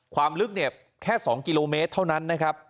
ความลึกเนี่ยแค่๒กิโลเมตรเท่านั้นนะครับ